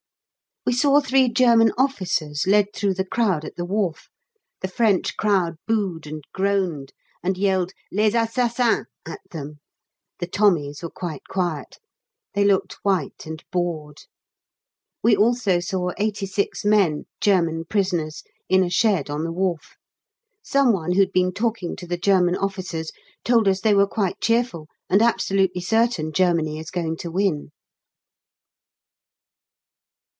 We saw three German officers led through the crowd at the wharf. The French crowd booed and groaned and yelled "Les Assassins" at them. The Tommies were quite quiet. They looked white and bored. We also saw 86 men (German prisoners) in a shed on the wharf. Some one who'd been talking to the German officers told us they were quite cheerful and absolutely certain Germany is going to win!